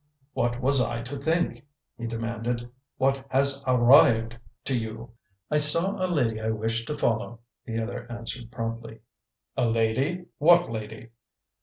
"What was I to think?" he demanded. "What has arrived to you?" "I saw a lady I wished to follow," the other answered promptly. "A lady! What lady?"